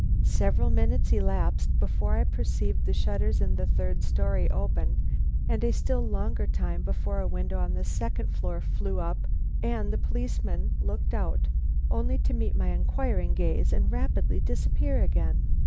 Several minutes elapsed before I perceived the shutters in the third story open, and a still longer time before a window on the second floor flew up and the policeman looked out, only to meet my inquiring gaze and rapidly disappear again.